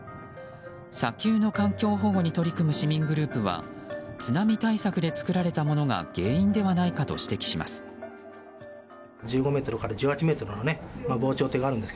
砂丘の環境保護に取り組む市民グループは津波対策で作られたものが原因ではないかと指摘します。